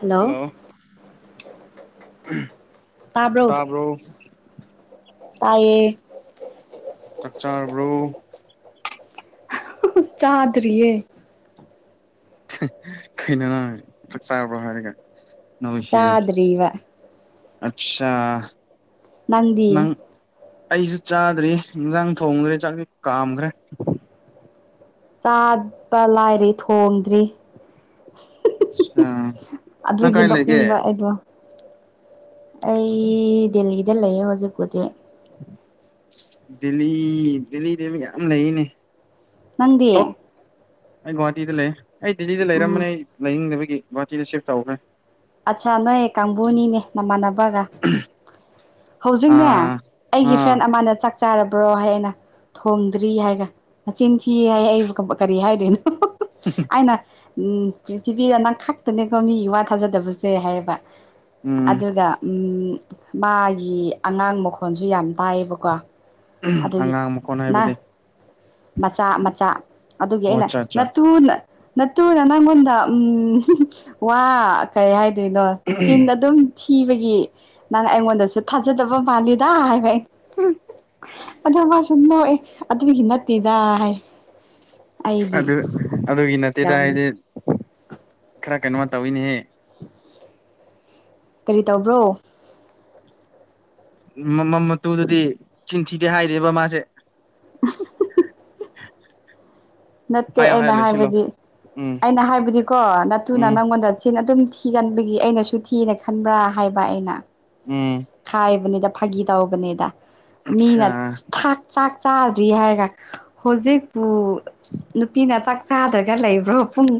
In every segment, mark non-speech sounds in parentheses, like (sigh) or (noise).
hello ꯎ ꯇꯥꯕ꯭ꯔꯣ ꯇꯌꯦ ꯆꯥꯛ ꯆꯥꯔꯕ꯭ꯔꯣ (unintelligible) ꯆꯥꯗꯔꯤꯌꯦ ꯈꯩꯅꯅ ꯆꯥꯛ ꯆꯥꯕ꯭ꯔꯣ ꯍꯥꯏꯔꯒ ꯆꯥꯗꯔꯤꯕ ꯑꯆꯥ ꯅꯪꯗꯤ ꯑꯩꯁꯨ ꯆꯥꯗ꯭ꯔꯤ ꯏꯟꯁꯥꯡ ꯊꯣꯡꯈ꯭ꯔꯦ ꯆꯥꯛꯁꯤ ꯀꯥꯝꯈ꯭ꯔꯦ ꯆꯥꯕ ꯂꯥꯏꯔꯤ ꯊꯣꯡꯗ꯭ꯔꯤ ꯑꯠꯆꯥ ꯅꯪ ꯀꯥꯏ ꯂꯩꯒꯦ ꯑꯗꯨꯒꯤꯗꯣꯛꯅꯤꯡꯕ ꯑꯩꯗꯣ ꯑꯩ ꯗꯦꯍꯤꯗ ꯂꯩꯌꯦ ꯍꯧꯖꯤꯛꯄꯨꯗꯤꯛ ꯗꯦꯜꯂꯤ ꯗꯦꯜꯂꯤꯗ ꯌꯥꯝꯌꯥꯝ ꯂꯩꯅꯦ ꯅꯪꯗꯤ ꯑꯩ ꯒꯧꯍꯥꯇꯤꯗ ꯂꯩ ꯑꯩ ꯦꯜꯂꯤꯗ ꯂꯩꯔꯝꯕꯅꯦ ꯎꯝ ꯑꯩ ꯂꯩꯅꯤꯡꯗꯕꯒꯤ ꯒꯨꯧꯍꯥꯇꯤꯗ ꯁꯤꯐ ꯇꯧꯈ꯭ꯔꯦ ꯑꯠꯆꯥꯥ ꯅꯣꯏꯌꯦ ꯀꯥꯡꯕꯨꯅꯤꯅꯦ ꯅꯃꯥꯟꯅꯕ ꯑꯥ ꯑꯥ ꯐ ꯆ ꯆꯥꯔꯕ꯭ꯔꯣ ꯍꯥꯏ ꯑꯩꯅ ꯊꯣꯝꯗ꯭ꯔꯤ ꯍꯥꯏꯒ ꯃꯆꯤꯟ ꯊꯤ ꯍꯥꯏ ꯑꯩꯕꯨ ꯀꯔꯤ ꯍꯥꯏꯗꯣꯏꯅꯣ ꯑꯩꯅ ꯄ꯭ꯔꯤꯊꯤꯕꯤꯗ ꯅꯪ ꯈꯛꯇꯅꯦꯀꯣ ꯃꯤꯒꯤ ꯋꯥ ꯊꯥꯖꯗꯕꯁꯨ ꯁꯦ ꯍꯥꯏꯌꯦꯕ ꯎꯝ ꯑꯗꯨꯒ ꯎ ꯃꯥꯒꯤ ꯑꯉꯥꯡ ꯃꯈꯣꯟꯁꯨ ꯌꯥꯝ ꯇꯥꯏꯌꯦꯕꯀꯣ ꯑꯗꯨꯒꯤ ꯑꯉꯥꯡ ꯃꯈꯣꯟ ꯍꯥꯏꯕꯗꯤ ꯅ ꯃꯆꯥ ꯃꯆꯥ ꯑꯗꯨꯒꯤ ꯑꯣ ꯑꯩꯅ ꯑꯠꯆꯥ ꯑꯠꯆꯥ ꯅꯨ ꯇꯨꯅ ꯅꯪꯉꯣꯟꯗ ꯎꯝ ꯋꯥ ꯀꯩ ꯍꯥꯏꯗꯣꯏꯅꯣ ꯆꯤꯟ ꯑꯗꯨꯝ ꯊꯤꯕꯒꯤ ꯅꯪ ꯑꯩꯉꯣꯟꯗꯁꯨ ꯊꯥꯖꯗꯕ ꯃꯥꯜꯂꯤꯗ ꯍꯥꯏꯕ ꯑꯗꯣ ꯃꯥꯁꯨ ꯅꯣꯏ ꯑꯗꯨꯗꯤ ꯍꯅꯛꯇꯗ ꯍꯥꯏ ꯑꯩꯗꯤ ꯑꯗꯨ ꯑꯗꯨꯒꯤ ꯅꯠꯇꯦꯗ ꯌꯥꯝ ꯍꯥꯏꯗꯤ ꯈꯔ ꯀꯩꯅꯣ ꯇꯧꯋꯤꯅꯦꯍꯦ ꯀꯔꯤ ꯇꯧꯕ꯭ꯔꯣ ꯃꯃꯝ ꯃꯇꯨꯗꯗꯤ ꯆꯤꯟꯊꯤꯗꯦ ꯍꯥꯏꯔꯦꯕ ꯃꯥꯁꯦ (unintelligible) ꯅꯠꯇꯦ ꯍꯥꯏꯌꯣ ꯍꯥꯏꯌꯣ ꯑꯩꯅ ꯂꯣꯏꯁꯤꯜꯂꯣ ꯍꯥꯏꯕꯗꯤ ꯎꯝ ꯑꯩꯅ ꯍꯥꯏꯕꯗꯤꯀꯣ ꯅꯠꯇꯨꯅ ꯎꯝ ꯅꯪꯉꯣꯟꯗ ꯆꯤꯟꯅ ꯑꯗꯨꯝ ꯊꯤꯒꯟꯕꯒꯤ ꯑꯩꯅꯁꯨ ꯊꯤꯅ ꯈꯟꯕ꯭ꯔꯥ ꯍꯥꯏꯕ ꯑꯩꯅ ꯎꯝ ꯍꯥꯏꯥꯏꯕꯅꯤꯗ ꯐꯥꯒꯤ ꯇꯧꯕꯅꯤꯗ ꯃꯤꯅ ꯑꯠꯆꯥ ꯊꯥꯛ ꯆꯥꯛ ꯆꯥꯗ꯭ꯔꯤ ꯍꯥꯏꯔꯒ ꯍꯧꯖꯤꯛꯄꯨ ꯅꯨꯄꯤꯅ ꯆꯥꯛ ꯆꯥꯗ꯭ꯔꯒ ꯂꯩꯕ꯭ꯔꯣ ꯄꯨꯡ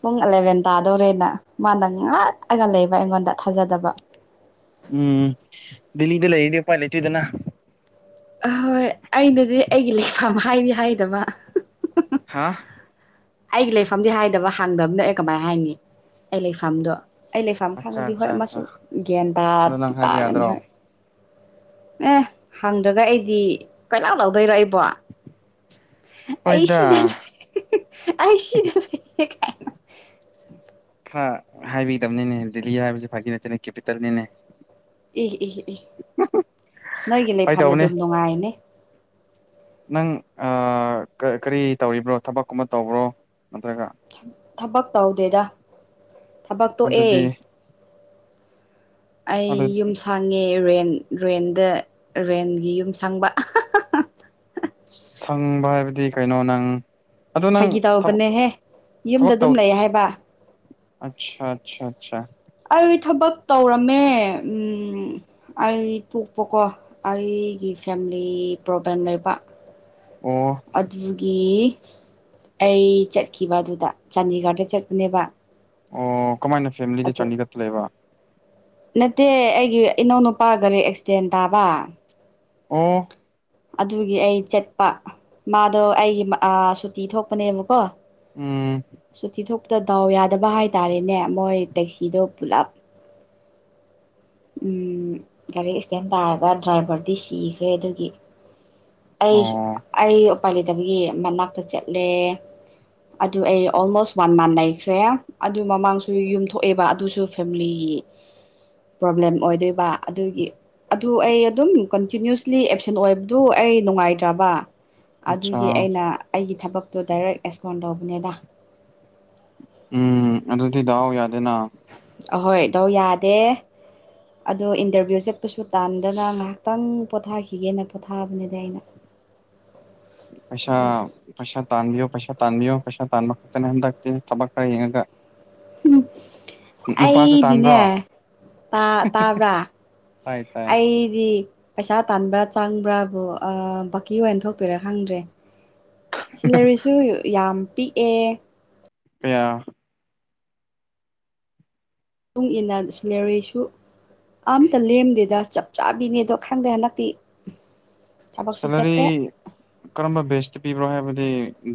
ꯄꯨꯡ ꯑꯦꯂꯚꯦꯟ ꯇꯥꯗꯧꯔꯦꯅ ꯃꯥꯅ ꯉꯥꯛꯂꯒ ꯂꯩꯕ ꯑꯩꯉꯣꯟꯗ ꯊꯥꯖꯗꯕ ꯎꯝ ꯗꯦꯜꯂꯤꯗ ꯂꯩꯔꯤꯗꯤ ꯎꯄꯥꯏ ꯂꯩꯇꯦꯗꯅ ꯑꯍꯣꯏ ꯑꯩꯅꯗꯤ ꯑꯩꯒꯤ ꯂꯩꯐꯝ ꯍꯥꯏꯗꯤ ꯍꯥꯏꯗꯕ ꯍꯥꯥ ꯑꯩꯒꯤ ꯂꯩꯐꯝꯗꯤ ꯍꯥꯏꯗꯕ ꯍꯥꯡꯗꯕꯅꯣ ꯑꯦ ꯀꯃꯥꯏꯅ ꯍꯥꯏꯅꯤꯤ ꯑꯩ ꯂꯩꯐꯝꯗꯣ ꯑꯩ ꯂꯩꯐꯝ ꯑꯠꯆꯥ ꯈꯥꯡꯗꯗꯤ ꯑꯠꯆꯥ ꯍꯣꯏ ꯑꯃꯁꯨ ꯑꯠꯆꯥ ꯒ꯭ꯌꯥꯟ ꯑꯗꯣ ꯇꯥꯗꯤ ꯅꯪ ꯍꯥꯏꯕ ꯇꯥꯒꯅꯤ ꯌꯥꯗ꯭ꯔꯣ ꯍꯣꯏ ꯑꯦ ꯍꯪꯗ꯭ꯔꯒ ꯑꯩꯗꯤ ꯀꯩꯂꯥꯎ ꯂꯧꯗꯣꯏꯔꯣꯏꯕ ꯑꯩ ꯍꯣꯏꯗ ꯁꯤꯗ ꯂꯩ ꯑꯩ ꯁꯤꯗ ꯂꯩ (unintelligible) ꯍꯥꯏꯕꯤꯗꯕꯅꯤꯅꯦ ꯗꯦꯜꯂꯤ ꯍꯥꯏꯕꯁꯤꯦ ꯐꯗꯤ ꯅꯠꯇꯦꯅꯦ ꯀꯦꯄꯤꯇꯦꯜꯅꯤꯅꯦ ꯏ ꯏ ꯏ ꯅꯣꯏꯒꯤ ꯐꯥꯒꯤ ꯂꯩꯐꯝꯗ ꯇꯧꯕꯅꯦ ꯑꯗꯨꯝ ꯅꯨꯡꯉꯥꯏꯅꯦ ꯅꯪ ꯀꯔꯤ ꯇꯧꯔꯤꯕ꯭ꯔꯣ ꯊꯕꯛꯀꯨꯝꯕ ꯇꯧꯕ꯭ꯔꯣ ꯅꯠꯇ꯭ꯔꯒ ꯊꯕꯛ ꯇꯧꯗꯦꯗ ꯊꯕꯛ ꯇꯣꯛꯑꯦ ꯑꯗꯨꯗꯤ ꯑꯩ ꯑꯗꯨ ꯌꯨꯝ ꯁꯥꯡꯉꯦ ꯔꯦꯟ ꯔꯦꯟꯗ ꯔꯦꯟꯒꯤ ꯌꯨꯝ ꯁꯪꯕ ꯁꯪꯕ ꯍꯥꯏꯕꯗꯤ ꯀꯩꯅꯣ ꯅꯪ ꯑꯗꯨ ꯅꯪ ꯐꯥꯒꯤ ꯊꯕꯛ ꯇꯧꯕꯅꯦꯍꯦ ꯌꯨꯝꯗ ꯊꯕꯛ ꯑꯗꯨꯝ ꯇꯧꯗ ꯂꯩ ꯍꯥꯏꯕ ꯑꯆꯥ ꯑꯆꯥꯆꯥ ꯑꯆꯥ ꯑꯩ ꯊꯕꯛ ꯇꯧꯔꯝꯃꯦ ꯑꯩ ꯄꯣꯛꯄꯀꯣ ꯑꯩꯒꯤ ꯐꯦꯃꯤꯂꯤ ꯄ꯭ꯔꯣꯕ꯭ꯂꯦꯝ ꯂꯩꯕ ꯑꯣ ꯑꯗꯨꯒꯤ ꯑꯩ ꯆꯠꯈꯤꯕ ꯑꯗꯨꯗ ꯆꯥꯟꯗꯤꯒꯔꯗ ꯆꯠꯄꯅꯦꯕ ꯑꯣ ꯀꯃꯥꯏꯅ ꯐꯦꯃꯤꯂꯤꯗ ꯑꯗꯨ ꯆꯥꯟꯗꯤꯒꯔꯗꯥ ꯂꯩꯕ ꯅꯠꯇꯦ ꯑꯩꯒꯤ ꯏꯅꯧꯅꯨꯄꯥ ꯒꯥꯔꯤ ꯑꯦꯛꯁꯤꯗꯦꯟ ꯇꯥꯕ ꯑꯣ ꯑꯗꯨꯒꯤ ꯑꯩ ꯆꯠꯄ ꯃꯥꯗꯣ ꯑꯩꯒꯤ ꯁꯨꯇꯤ ꯊꯣꯛꯄꯅꯦꯕꯀꯣ ꯎꯝ ꯇ ꯗꯥꯎ ꯌꯥꯗꯕ ꯍꯥꯏꯇꯥꯥꯔꯦꯅꯦ ꯃꯣꯏ ꯇꯦꯛꯁꯤꯗꯣ ꯄꯨꯂꯞ ꯎꯝ ꯒꯥꯔꯤ ꯑꯦꯛꯁꯤꯗꯦꯟ ꯇꯥꯔꯒ ꯗ꯭ꯔꯥꯏꯚꯔꯗꯤ ꯁꯤꯈ꯭ꯔꯦ ꯑꯗꯨꯒꯤ ꯑꯩ ꯑꯣ ꯑꯩ ꯎꯄꯥꯏ ꯂꯩꯇꯕꯒꯤ ꯃꯅꯥꯛꯇ ꯆꯠꯂꯦ ꯑꯗꯨ ꯑꯩ ꯑꯣꯜꯃꯣꯁ ꯋꯥꯟ ꯃꯥꯟ ꯂꯩꯈ꯭ꯔꯦ ꯑꯗꯨ ꯃꯃꯥꯡꯁꯨ ꯌꯨꯝꯊ ꯊꯣꯛꯑꯦꯕ ꯑꯗꯨꯁꯨ ꯐꯦꯃꯤꯂꯤ ꯒꯤ ꯄ꯭ꯔꯣꯕ꯭ꯂꯦꯝ ꯑꯣꯏꯗꯣꯏꯕ ꯑꯗꯨꯒꯤ ꯑꯗꯨ ꯑꯩ ꯑꯗꯨꯝ ꯀꯟꯇꯤꯅꯌꯨꯁꯂꯤ ꯑꯦꯞꯁꯦꯟ ꯑꯣꯏꯕ ꯑꯗꯨ ꯑꯩ ꯅꯨꯡꯉꯥꯏꯇ꯭ꯔꯕ ꯑꯠꯆꯥ ꯑꯗꯨꯒꯤ ꯑꯩꯅ ꯑꯩꯒꯤ ꯊꯕꯛꯇꯣ ꯗꯥꯏꯔꯦꯛ ꯑꯦꯁꯀꯣꯟ ꯇꯧꯕ ꯅꯦꯗꯥ ꯎꯝ ꯑꯗꯨꯗꯤ ꯗꯥꯎ ꯌꯥꯗꯦꯅ ꯑꯍꯣꯏ ꯗꯥꯎꯌꯥꯗꯦ ꯑꯗꯣ ꯏꯟꯇꯔꯚꯤꯌꯨ ꯆꯠꯄꯁꯨ ꯇꯥꯟꯗꯅ ꯉꯥꯏꯍꯥꯛꯇꯪ ꯄꯣꯊꯥꯈꯤꯒꯦꯅ ꯄꯣꯊꯥꯕꯅꯤꯗ ꯑꯩꯅ (inaudible) ꯄꯩꯁꯥ ꯄꯩꯁꯥ ꯇꯥꯟꯕꯤꯌꯣ ꯄꯩꯁꯥ ꯇꯥꯟꯕꯤꯌꯣ ꯄꯩꯁꯥ ꯇꯥꯟꯕ ꯈꯛꯇꯅꯦ ꯍꯟꯗꯛꯇꯤ ꯊꯕꯛ ꯈꯔ ꯌꯦꯡꯉꯒ ꯅꯨꯄꯥꯁꯨ ꯇꯥꯟꯕ꯭ꯔꯣ ꯑꯩꯗꯤꯅꯦ ꯇꯥ ꯇꯥꯕ꯭ꯔꯥ ꯇꯥꯏ ꯇꯥꯏ ꯑꯩꯗꯤ ꯄꯩꯁꯥ ꯇꯥꯟꯕ꯭ꯔꯥ ꯆꯪꯕ꯭ꯔꯥꯕꯨ ꯕꯀꯤ ꯑꯣꯏꯅ ꯊꯣꯛꯇꯣꯏꯔꯥ ꯈꯪꯗ꯭ꯔꯦ ꯁꯤꯂꯔꯤꯁꯨ ꯌꯥꯝ ꯄꯤꯛꯑꯦ ꯀꯌꯥ ꯃꯇꯨꯡ ꯏꯟꯅ ꯁꯤꯜꯂꯔꯤꯁꯨ ꯑꯝꯇ ꯂꯦꯝꯗꯦꯗ ꯆꯞ ꯆꯥꯕꯤꯅꯦꯗꯣ ꯈꯪꯗꯦ ꯍꯟꯗꯛꯇꯤ ꯊꯕꯛꯁꯨ ꯁꯦꯂꯔꯤ ꯆꯠꯇꯦ ꯀꯔꯝꯕ ꯕꯦꯁꯇ ꯄꯤꯕ꯭ꯔꯣ ꯍꯥꯏꯕꯗꯤ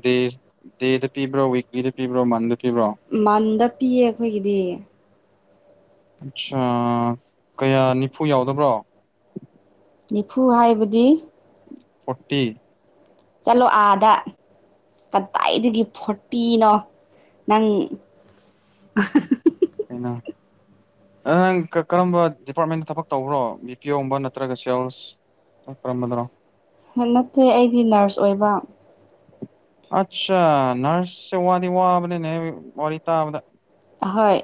ꯗꯦꯁ ꯗꯦ ꯄꯤꯕ꯭ꯔꯣ ꯋꯤꯛꯂꯤꯗꯥ ꯄꯤꯕ꯭ꯔꯣ ꯄꯤꯕ꯭ꯔꯣ ꯃꯟꯗ ꯄꯤꯌꯦ ꯑꯩꯈꯣꯏꯒꯤꯗꯤ ꯑꯠꯆꯥ ꯀꯌꯥ ꯅꯤꯐꯨ ꯌꯥꯎꯗꯕ꯭ꯔꯣ ꯅꯤꯐꯨ ꯍꯥꯏꯕꯗꯤ ꯐꯣꯔꯇꯤ ꯆꯠꯂꯣ ꯑꯥꯗ ꯀꯗꯥꯏꯗꯒꯤ ꯐꯣꯔꯇꯤꯅꯣ ꯅꯪ ꯀꯩꯅ ꯅꯪ ꯀꯔꯝꯕ ꯗꯤꯄꯥꯔꯠꯃꯦꯟꯗ ꯊꯕꯛ ꯇꯧꯕ꯭ꯔꯣ ꯕꯤ ꯄꯤ ꯑꯣꯒꯨꯝꯕ ꯅꯠꯇ꯭ꯔꯒ ꯁꯦꯜꯁ ꯀꯥꯔꯝꯕꯗꯅꯣ ꯅꯠꯇꯦ ꯑꯩꯗꯤ ꯅꯔꯁ ꯑꯣꯏꯕ ꯑꯆꯥ ꯅꯔꯁꯁꯦ ꯋꯥꯗꯤ ꯋꯕꯥ ꯅꯤꯅꯦ ꯋꯥꯔꯤ ꯇꯥꯕꯗꯥ ꯑꯍꯣꯏ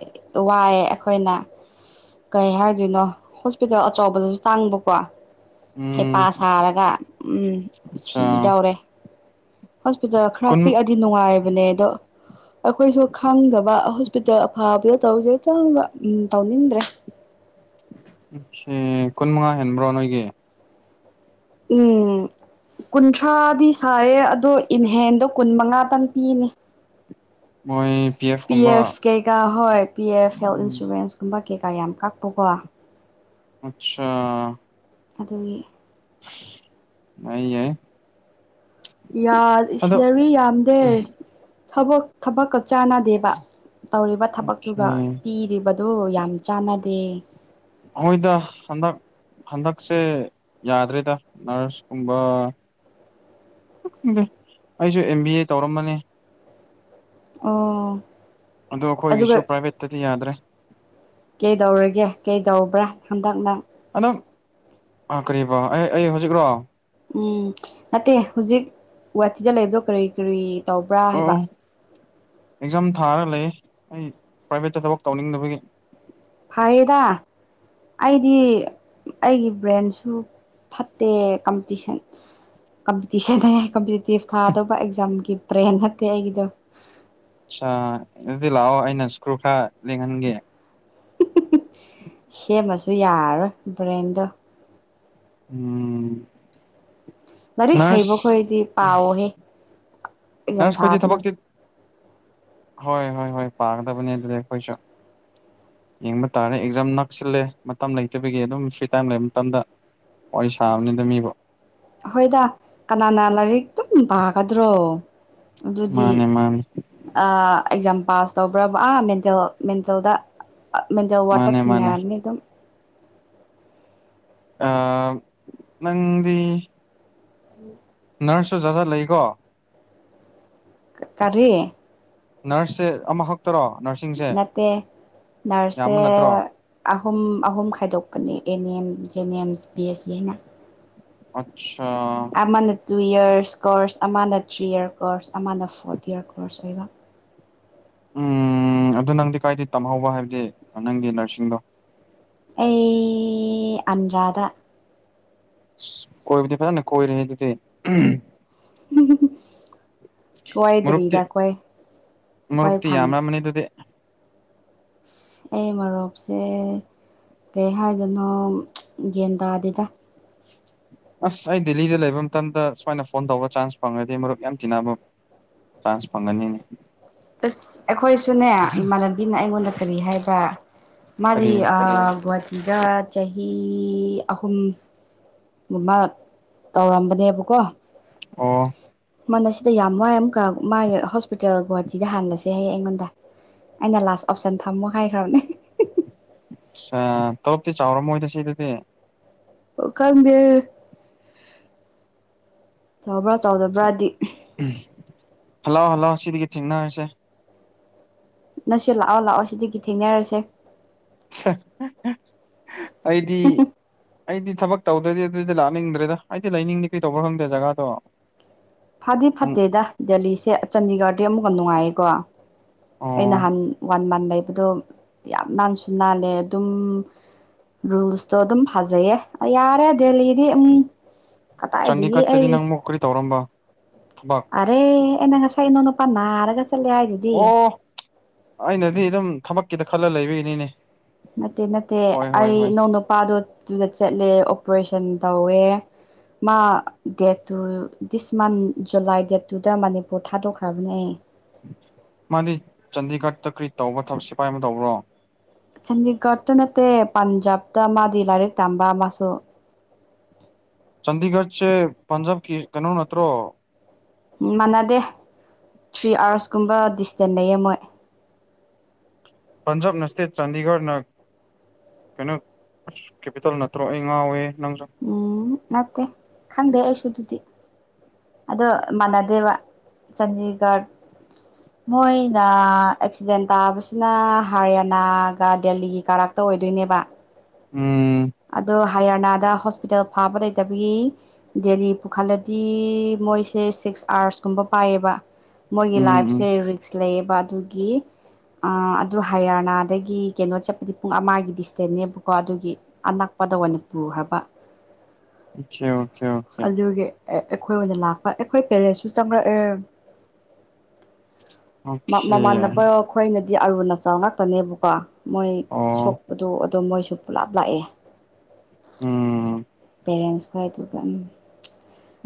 ꯋꯥꯏꯑꯦ ꯑꯩꯈꯣꯏꯅ ꯀꯩꯍꯥꯏꯗꯣꯏꯅꯣ ꯍꯣꯁꯄꯤꯇꯥꯜ ꯑꯆꯧꯕꯗꯁꯨ ꯆꯪꯡꯕꯀꯣ ꯍꯩꯄꯥ ꯎꯝ ꯁꯥꯔꯒ ꯑꯠꯆꯥ ꯁꯤꯗꯧꯔꯦ ꯍꯣꯁꯄꯤꯇꯥꯜ ꯈꯔ ꯀꯨꯟ ꯄꯤꯛꯑꯗꯤ ꯅꯨꯡꯉꯥꯏꯕꯅꯦ ꯑꯗꯣ ꯑꯩꯈꯣꯏꯁꯨ ꯈꯪꯗꯕ ꯗ ꯑꯐꯥꯕꯗ ꯇꯧꯔꯤꯁꯦ ꯆꯥꯡꯅ ꯎ ꯇꯧꯅꯤꯡꯗ꯭ꯔꯦ ꯎ ꯁꯤ ꯀꯨꯟꯃꯉꯥ ꯍꯦꯟꯕ꯭ꯔꯣ ꯅꯣꯏꯒꯤ ꯎꯝ ꯀꯨꯟꯊ꯭ꯔꯥꯗꯤ ꯁꯥꯏꯌꯦ ꯑꯗꯣ ꯏꯟꯍꯦꯟꯗꯣ ꯀꯨꯟ ꯃꯉꯥꯇꯪ ꯄꯤꯅꯦ ꯄꯤ ꯑꯦꯐ ꯀꯩꯀꯥ ꯍꯣꯏ ꯄꯤ ꯑꯦꯐ ꯍꯦꯜ ꯎꯝ ꯏꯟꯁꯨꯔꯦꯟꯁ ꯀꯨꯝꯕ ꯀꯩꯀꯥ ꯌꯥꯝ ꯀꯥꯞꯄꯨꯀꯣ ꯑꯆꯥ ꯑꯗꯨꯒꯤ ꯑ ꯌꯥ ꯏꯁꯂꯔꯤ ꯌꯥꯝꯗꯦ ꯊ ꯊꯕꯛꯀ ꯆꯥꯟꯅꯗꯦꯕ ꯇꯧꯔꯤꯕ ꯑꯣꯀꯦ ꯊꯕꯛꯇꯨꯒ ꯄꯤꯔꯤꯕꯗꯨ ꯌꯥꯝ ꯆꯥꯟꯅꯗꯦ ꯍꯣꯏꯗ ꯍꯗ ꯍꯟꯗꯛꯁꯦ ꯌꯥꯗ꯭ꯔꯦꯗ ꯅꯔꯁꯀꯨꯝꯕ ꯈꯪꯗꯦ ꯑꯩꯁꯨ ꯑꯦꯝ ꯕꯤ ꯑꯦ ꯇꯧꯔꯝꯕꯅꯤ ꯑꯥ ꯑꯗꯣ ꯑꯗꯨꯒ ꯑꯩꯈꯣꯏꯒꯤꯁꯨ ꯄ꯭ꯔꯥꯏꯚꯦꯠꯇꯗꯤ ꯌꯥꯗ꯭ꯔꯦ ꯀꯩ ꯇꯧꯔꯒꯦ ꯀꯩ ꯇꯧꯕ꯭ꯔꯥ ꯍꯟꯗꯛꯅ ꯑꯗꯨꯝꯥ ꯀꯔꯤꯕꯣ ꯑꯩ ꯑꯩ ꯍꯧꯖꯤꯛꯔꯣ ꯎꯝ ꯅꯠꯇꯦ ꯍꯧꯖꯤꯛ ꯒꯨꯍꯥꯇꯤꯗ ꯂꯩꯕꯣ ꯀꯔꯤ ꯀꯔꯤ ꯇꯧꯕ꯭ꯔꯥ ꯍꯥꯏꯕ ꯑꯣ ꯑꯦꯛꯖꯥꯝ ꯊꯥꯔ ꯂꯩ ꯑꯩ ꯄ꯭ꯔꯥꯏꯚꯦꯠꯇ ꯊꯕꯛ ꯇꯧꯅꯤꯡꯗꯕꯒꯤ ꯐꯍꯤꯗꯥ ꯑꯩꯗꯤ ꯑꯩꯒꯤ ꯕ꯭ꯔꯦꯟꯁꯨ ꯐꯠꯇꯦ ꯀꯝꯄꯤꯇꯤꯁꯟ ꯀꯝꯄꯤꯇꯤꯁꯟ ꯀꯝꯄꯤꯇꯤꯇꯤꯞ ꯊꯥꯗꯧꯕ ꯑꯦꯛꯖꯥꯝꯒꯤ ꯄꯕ꯭ꯔꯦꯟ ꯅꯠꯇꯦ ꯑꯩꯒꯤꯗꯣ ꯑ ꯑꯗꯨꯗꯤ ꯂꯥꯛꯑꯣ ꯑꯩꯅ ꯁꯀ꯭ꯔꯨ ꯈꯔ ꯂꯦꯡꯍꯟꯒꯦ ꯁꯦꯝꯃꯁꯨ ꯌꯥꯔꯣꯏ ꯕ꯭ꯔꯦꯟꯗꯣ ꯎꯝ ꯂꯔꯤꯛ ꯍꯩꯕ ꯅꯔꯁ ꯈꯣꯏꯗꯤ ꯄꯥꯎꯍꯦ ꯑꯦꯛꯖꯥꯝ ꯅꯔꯁꯈꯖꯤ ꯊꯥꯕꯗ ꯊꯕꯛ ꯆ ꯍꯣꯏ ꯍꯣꯏ ꯍꯣꯏ ꯄꯥꯒꯗꯕꯅꯦ ꯑꯗꯨꯗꯤ ꯑꯩꯈꯣꯏꯁꯨ ꯌꯦꯡꯕ ꯇꯥꯔꯦ ꯑꯦꯛꯖꯥꯝ ꯅꯛꯁꯤꯜꯂꯦ ꯃꯇꯝ ꯂꯩꯇꯕꯒꯤ ꯑꯗꯨꯝ ꯐ꯭ꯔꯤ ꯇꯥꯏꯝ ꯂꯩꯕ ꯃꯇꯝꯗ ꯑꯣꯏꯁꯥꯕꯅꯤꯗꯝꯃꯤꯕ ꯍꯣꯏꯗ ꯀꯅꯥꯅ ꯂꯥꯏꯔꯤꯛ ꯑꯗꯨꯝ ꯄꯥꯒꯗ꯭ꯔꯣ ꯑꯗꯨꯗꯤ ꯃꯥꯅꯦ ꯃꯥꯅꯦ ꯑꯦꯛꯖꯥꯝ ꯄꯥꯁ ꯇꯧꯕ꯭ꯔꯕ ꯑꯥ ꯃꯦꯟꯇꯦꯜ ꯃꯦꯟꯇꯦꯜꯗ ꯃꯦꯟꯇꯦꯜ ꯋꯥꯠꯇ ꯃꯥꯅꯦ ꯃꯥꯅꯦ ꯊꯦꯡꯅꯔꯅꯤ ꯑꯗꯨꯝ ꯑ ꯅꯗꯤꯤ ꯎꯝ ꯅꯔꯁꯁꯨ ꯖꯥꯖꯥꯠ ꯂꯩꯀꯣ ꯀꯔꯔꯤ ꯅꯔꯁꯁꯦ ꯑꯃ ꯍꯛ ꯅꯠꯇꯦ ꯅꯔꯁꯦ ꯌꯥꯝꯕ ꯅꯠꯇ꯭ꯔꯣ ꯑꯍꯨꯝ ꯑꯍꯨꯝ ꯈꯥꯏꯗꯣꯛꯄꯅꯦ N M GNMs B S C ꯍꯥꯏꯅ ꯑ ꯑ ꯃ ꯇꯨ ꯏꯔꯁ ꯀꯣꯔꯁ ꯑꯃꯅ ꯊ꯭ꯔꯤ ꯏꯔ ꯀꯣꯔꯁ ꯑꯃꯅ ꯐꯣꯔꯠ ꯏꯔ ꯀꯣꯔꯁ ꯑꯣꯏꯕ ꯎꯝ ꯑꯗꯨ ꯅꯪꯗꯤ ꯀꯥꯏꯗꯤ ꯇꯝꯍꯧꯕ ꯍꯥꯏꯕꯗꯤ ꯅꯪꯒꯤ ꯅꯔꯁꯤꯡꯗꯣ ꯑꯩ ꯑꯟꯗ꯭ꯔꯥꯗ ꯑꯁ ꯀꯣꯏꯕꯗꯤ ꯐꯅꯦ ꯀꯣꯏꯔꯦꯅꯦꯗꯨꯗꯤ ꯃꯔꯨꯞꯇꯤ ꯀꯣꯏꯗꯔꯤꯗ ꯀꯣꯏ ꯈꯣꯏ ꯃꯔꯨꯞꯇꯤ ꯐꯪꯗꯦ ꯌꯥꯝꯔꯝꯃꯅꯤ ꯑꯗꯨꯗꯤ ꯑꯩ ꯃꯔꯨꯞꯁꯦ ꯀꯩ ꯍꯥꯏꯗꯣꯏꯅꯣ ꯌꯦꯒꯟ ꯇꯥꯗꯦꯗ ꯑꯁ ꯑꯩ ꯗꯦꯜꯂꯤꯗ ꯂꯩꯕ ꯃꯇꯝꯗ ꯁꯨꯃꯥꯏꯅ ꯐꯣꯟ ꯇꯧꯕ ꯆꯥꯟꯁ ꯐꯪꯉꯗꯤ ꯃꯔꯨꯞ ꯌꯥꯝ ꯇꯤꯟꯅꯕ ꯆꯥꯟꯁ ꯐꯪꯒꯅꯤꯅꯦ ꯑꯁ ꯑꯩꯈꯣꯏꯁꯨꯅꯦ ꯏꯃꯥꯟꯅꯕꯤꯅ ꯑꯩꯉꯣꯟꯗ ꯀꯔꯤ ꯍꯥꯏꯕ꯭ꯔꯥ ꯃꯥꯗꯤ ꯀꯔꯤ ꯒꯨꯍꯥꯇꯤꯒ ꯆꯍꯤ ꯑꯍꯨꯝ ꯒꯨꯝꯕ ꯇꯧꯔꯝꯕꯅꯦꯕꯀꯣ ꯑꯣ ꯃꯅ ꯁꯤꯗ ꯌꯥꯝ ꯋꯥꯏ ꯑꯃꯨꯛꯀ ꯃꯥꯒꯤ ꯍꯣꯁꯄꯤꯇꯥꯜ ꯒꯨꯍꯥꯇꯤꯗ ꯍꯜꯂꯁꯦ ꯍꯌꯦꯡ ꯑꯩꯉꯣꯟꯗ ꯑꯩꯅ ꯂꯥꯁ ꯑꯣꯞꯁꯟ ꯊꯝꯃꯣ ꯍꯥꯏꯈ꯭ꯔꯕꯅꯦ ꯇꯣꯂꯣꯞꯇꯤ ꯆꯥꯎꯔꯝꯃꯣꯏꯗ ꯁꯤꯗꯗꯤ ꯈꯪꯗꯦ ꯆꯥꯎꯕ꯭ꯔꯥ ꯆꯥꯎꯗꯕ꯭ꯔꯥꯗꯤ ꯍꯜꯂꯥꯎ ꯍꯜꯂꯥꯎꯑꯣ ꯁꯤꯗꯒꯤ ꯊꯦꯡꯅꯔꯁꯦ ꯅꯁꯨ ꯂꯥꯛꯑꯣ ꯂꯥꯛꯑꯣ ꯁꯤꯗꯒꯤ ꯊꯦꯡꯅꯔꯁꯦ (unintelligible) ꯑꯩꯗꯤ ꯑꯩꯗꯤ ꯊꯕꯛ ꯇꯧꯗ꯭ꯔꯗꯤ ꯑꯗꯨꯗꯤ ꯂꯥꯛꯅꯤꯡꯗ꯭ꯔꯦꯗ ꯑꯩꯗꯤ ꯂꯩꯅꯤꯡꯗꯤ ꯀꯩ ꯇꯧꯕ ꯈꯪꯗꯦ ꯖꯒꯥꯗꯣ ꯐꯗꯤ ꯅꯪ ꯐꯠꯇꯦꯗ ꯗꯦꯜꯂꯤꯁꯦ ꯆꯥꯟꯗꯤꯒꯔꯗꯤ ꯑꯃꯨꯛꯀ ꯅꯨꯡꯉꯥꯏꯌꯦꯀꯣ ꯑꯣ ꯑꯩ ꯅꯍꯥꯟ ꯋꯥꯟ ꯃꯟ ꯂꯩꯕꯗꯣ ꯌꯥꯝ ꯅꯥꯟꯁꯨ ꯅꯥꯜꯂꯦ ꯑꯗꯨꯝ ꯔꯨꯜꯁꯇꯣ ꯑꯗꯨꯝ ꯐꯖꯩꯌꯦ ꯌꯥꯔꯦ ꯗꯦꯜꯂꯤꯗꯤ ꯎꯝ ꯀꯗꯥꯏꯗꯒꯤ ꯆꯅꯤꯒꯠꯇꯗꯤ ꯅꯪ ꯃꯣꯛꯀꯔꯤ ꯇꯧꯔꯝꯕ ꯊꯕꯛ ꯑꯔꯦꯟꯅ ꯉꯁꯥꯏꯅꯣꯅ ꯄꯥꯟꯔꯒ ꯑꯣ ꯑꯩꯅꯗꯤ ꯑꯗꯨꯝ ꯊꯕꯛꯀꯤꯗ ꯈꯜꯂ ꯂꯩꯕꯒꯤꯅꯤꯅꯦ ꯅꯠꯇꯦ ꯅꯠꯇꯦ ꯍꯣꯏ ꯍꯣꯏ ꯍꯣꯏ ꯑꯩꯅꯧ ꯅꯨꯄꯥꯗꯣ ꯑꯗꯨꯨꯗ ꯆꯠꯂꯦ ꯑꯣꯄꯔꯦꯁꯟ ꯇꯧꯋꯦ ꯃꯥ ꯗꯦꯠꯇꯨ ꯗꯤꯁ ꯃꯟ ꯖꯨꯂꯥꯏ ꯗꯦꯠꯇꯨꯗ ꯃꯅꯤꯄꯨꯔ ꯊꯥꯗꯣꯛꯈ꯭ꯔꯕꯅꯦ ꯃꯥꯗꯤ ꯆꯥꯟꯗꯤꯒꯔꯠꯇ ꯀꯔꯤ ꯇꯧꯕ ꯊꯕꯛ ꯁꯤꯐꯥꯏ ꯑꯃ ꯇꯧꯕ꯭ꯔꯣ ꯆꯥꯟꯗꯤꯒꯔꯠꯇ ꯅꯠꯇꯦ ꯄꯟꯖꯥꯕꯇ ꯃꯥꯗꯤ ꯂꯥꯏꯔꯤꯛ ꯇꯝꯕ ꯃꯥꯁꯨ ꯆꯟꯗꯤꯒꯔꯠ ꯁꯦ ꯄꯟꯖꯥꯕ ꯀꯤ ꯀꯩꯅ ꯅꯠꯇ꯭ꯔꯣ ꯎ ꯃꯥꯟꯅꯗꯦ ꯊ꯭ꯔꯤ ꯑꯥꯋꯔꯁꯀꯨꯝꯕ ꯗꯤꯁꯇꯦꯟ ꯂꯩꯌꯦ ꯃꯣꯏ ꯄꯟꯖꯥꯕ ꯅꯁꯇꯩ ꯆꯥꯟꯗꯤꯒꯔ ꯅ ꯀꯩꯅꯣ ꯀꯦꯄꯤꯇꯜ ꯅꯠꯇ꯭ꯔꯣ ꯑꯩ ꯉꯥꯎꯋꯦ ꯅꯪꯁꯨ ꯎꯝ ꯅꯠꯇꯦ ꯈꯪꯗꯦ ꯑꯩꯁꯨꯨꯗꯨꯗꯤ ꯑꯗꯣ ꯃꯅꯥꯗꯦꯕ ꯆꯥꯟꯗꯤꯒꯔ ꯃꯣꯏꯅ ꯑꯦꯛꯁꯤꯗꯦꯟ ꯇꯥꯕꯁꯤꯅ ꯍꯔꯤꯌꯥꯅꯥꯒ ꯗꯦꯜꯂꯤꯒꯤ ꯀꯥꯔꯛꯇ ꯑꯣꯏꯗꯣꯏꯅꯦꯕ ꯎꯝ ꯑꯗꯣ ꯍꯔꯤꯌꯥꯅꯥꯗ ꯍꯣꯁꯄꯤꯇꯥꯜ ꯐꯥꯕ ꯂꯩꯇꯕꯒꯤ ꯗꯦꯜꯂꯤ ꯄꯨꯈꯠꯂꯗꯤ ꯃꯣꯏꯁꯦ ꯁꯤ ꯁꯤꯛꯁ ꯑꯥꯔꯁꯀꯨꯝꯕ ꯄꯥꯏꯌꯦꯕ ꯃꯣꯏꯒꯤ ꯎꯝ ꯎꯝ ꯂꯥꯏꯐꯁꯦ ꯔꯤꯛꯁ ꯂꯩꯌꯦꯕ ꯑꯗꯨꯒꯤ ꯑꯗꯨ ꯍꯌꯥꯔꯅꯥꯗꯒꯤ ꯀꯩꯅꯣ ꯆꯠꯄꯗꯤ ꯄꯨꯡ ꯑꯃꯒꯤ ꯗꯤꯁꯇꯦꯟꯁꯅꯦꯕꯀꯣ ꯑꯗꯨꯒꯤ ꯑꯅꯛꯄꯗ ꯑꯣꯏꯅꯅꯤꯄꯨꯔꯈ꯭ꯔꯕ ꯑꯣꯀꯦ ꯑꯣꯀꯦ ꯑꯣꯀꯦ ꯑꯩꯈꯣꯏ ꯑꯣꯏꯅ ꯂꯥꯛꯄ ꯑꯩꯈꯣꯏ ꯄꯦꯔꯦꯟꯁꯁꯨ ꯆꯪꯪꯂꯛꯑꯦ ꯑꯣꯀꯦ ꯃꯃꯥꯟꯅꯕ ꯑꯩꯈꯣꯏꯅꯗꯤ ꯗꯤ ꯑꯔꯨ ꯑꯆꯥꯎ ꯉꯥꯛꯇꯅꯦꯕꯀꯣ ꯃꯣꯏ ꯑꯣ ꯁꯣꯛꯄꯗꯣ ꯑꯗꯣ ꯃꯣꯏ ꯁꯨ ꯄꯨꯂꯥꯞ ꯂꯥꯛꯑꯦ ꯎꯝ ꯄꯦꯔꯦꯟꯁ ꯈ ꯍꯥꯏꯏꯗꯨꯒ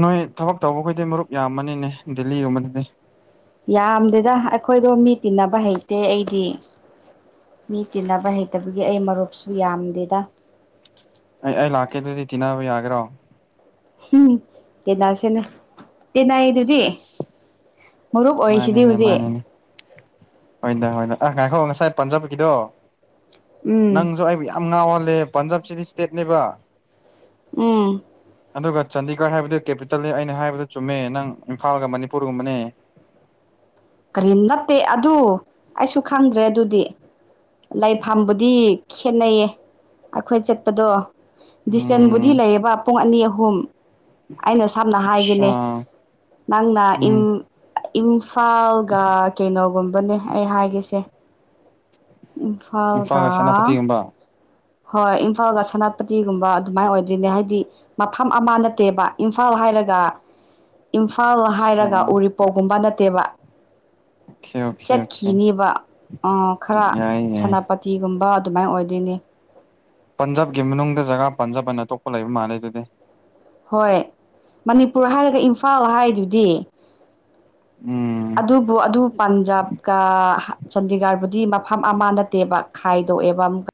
ꯅꯣꯏ ꯊꯕꯛ ꯇꯧꯕꯈꯗꯤ ꯃꯔꯨꯞ ꯌꯥꯝꯃꯅꯤꯅꯦ ꯗꯦꯜꯂꯤꯒꯨꯝꯕꯗꯗꯤ ꯌꯥꯝꯗꯦꯗ ꯑꯩꯈꯣꯏꯗꯣ ꯃꯤ ꯇꯤꯟꯅꯕ ꯍꯩꯇꯦ ꯑꯩꯗꯤ ꯃꯤ ꯇꯤꯟꯅꯕ ꯍꯩꯇꯕꯒꯤ ꯑꯩ ꯃꯔꯨꯞꯁꯨ ꯌꯥꯝꯗꯦꯗ ꯑꯩ ꯑꯩ ꯂꯥꯛꯀꯦ ꯑꯗꯨꯗꯤ ꯇꯤꯟꯅꯕ ꯌꯥꯒꯔꯣ ꯇ ꯅꯁꯦꯅ ꯇꯅ ꯑꯁ ꯑꯗꯨꯗꯤꯤ ꯑꯁ ꯃꯔꯨꯞ ꯑꯣꯏꯁꯤꯗꯤ ꯃꯥꯅꯤꯅꯦ ꯍꯧꯖꯤꯛ ꯃꯥꯅꯤꯅꯦ ꯍꯣꯏꯗ ꯍꯣꯏ ꯑ ꯉꯥꯏꯈꯣ ꯉꯁꯥꯏ ꯄꯥꯟꯖꯕꯒꯤꯗꯣ ꯎꯝ ꯅꯪꯁꯨ ꯑꯩꯕꯨ ꯌꯥꯝ ꯉꯥꯎꯍꯜꯂꯤ ꯂꯦ ꯄꯟꯖꯥꯕꯁꯤꯗꯤ ꯏꯁꯇꯦꯠꯅꯦꯕ ꯎꯝ ꯑꯗꯨꯒ ꯆꯥꯟꯗꯤꯒꯔ ꯍꯥꯏꯕꯗꯨ ꯀꯦꯄꯤꯇꯜꯅꯤ ꯑꯩꯅ ꯍꯥꯏꯕꯗ ꯆꯨꯝꯃꯦ ꯅꯪ ꯏꯝꯐꯥꯜꯒ ꯃꯅꯤꯄꯨꯔꯒꯨꯝꯕꯅꯦ (unintelligible) (inaudible) ꯀꯔꯤ ꯅꯠꯇꯦ ꯑꯗꯨ ꯑꯩꯁꯨ ꯈꯪꯗ꯭ꯔꯦ ꯑꯗꯨꯗꯤ ꯂꯩꯐꯝꯥꯕꯨꯗꯤ ꯈꯦꯠꯅꯩꯌꯦ ꯑꯩꯈꯣꯏ ꯆꯠꯄꯗꯣ ꯗꯤꯁꯇꯦꯟꯕꯨꯗꯤ ꯎꯝ ꯂꯩꯌꯦꯕ ꯄꯨꯡ ꯑꯅꯤ ꯑꯍꯨꯝ ꯑꯩꯅ ꯁꯝꯅ ꯑ ꯍꯥꯏꯈꯤꯅꯦ ꯅꯪꯅ ꯎꯝ ꯏꯝꯐꯥꯜꯒ ꯀꯩꯅꯣꯒꯨꯝꯕꯅꯦ ꯑꯩ ꯍꯥꯏꯒꯁꯦ ꯏ ꯐꯥꯜꯒꯥ ꯏꯝꯐꯥꯜꯒ ꯁꯦꯅꯥꯄꯇꯤꯒꯨꯝꯕ ꯍꯣꯏ ꯏꯝꯐꯥꯜꯒ ꯁꯅꯥꯄꯇꯤꯒꯨꯝꯕ ꯑꯗꯨꯃꯥꯏꯅ ꯑꯣꯏꯗꯣꯏꯅꯦ ꯍꯥꯏꯗꯤ ꯃꯐꯝ ꯑꯃ ꯅꯠꯇꯦꯕ ꯏꯝꯐꯥꯜ ꯍꯥꯏꯔꯒ ꯑꯗꯨꯒꯒ (unintelligible) (inaudible) ꯏꯝꯐꯥꯜ ꯍꯥꯏꯔꯒ ꯑꯣꯀꯦ ꯎꯔꯤꯄꯣꯛꯒꯨꯝꯕ ꯅꯠꯇꯦꯕ ꯑꯣꯀꯦ ꯑꯣꯀꯦ ꯆꯠꯈꯤꯅꯦꯕ ꯈꯔ ꯌꯥꯏ ꯌꯥꯏ ꯁꯅꯥꯄꯇꯤꯒꯨꯝꯕ ꯑꯗꯨꯃꯥꯏ ꯑꯣꯏꯗꯣꯏꯅꯤ ꯄꯟꯖꯥꯕꯒꯤ ꯃꯅꯨꯡꯗ ꯖꯒꯥ ꯄꯟꯖꯕ ꯑꯅ ꯑꯇꯣꯞꯄ ꯂꯩꯕ ꯃꯥꯂꯦ ꯑꯗꯨꯗꯤ ꯍꯣꯏ ꯃꯅꯤꯄꯨꯔ ꯍꯥꯏꯔꯒ ꯏꯝꯐꯥꯜ ꯍꯥꯏꯗꯨꯗꯤ ꯎꯝ ꯑꯗꯨꯕꯨ ꯑꯗꯨ ꯄꯟꯖꯥꯕꯀ ꯆꯥꯟꯗꯤꯒꯔꯕꯨꯗꯤ ꯃꯐꯝ ꯑꯃ ꯅꯠꯇꯦꯕ ꯈꯥꯏꯗꯣꯛꯑꯦꯕ ꯑꯃꯨꯛꯀ